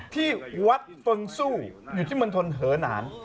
ที่วัดฟซุอยู่ที่มันทนเหอนาน